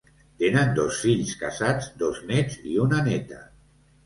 Tenen dos fills casats, dos néts i una néta.